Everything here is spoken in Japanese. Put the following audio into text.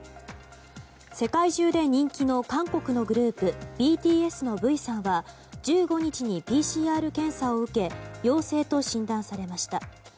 世界中で人気の韓国のグループＢＴＳのＶさんは１５日にＰＣＲ検査を受け陽性と診断されました。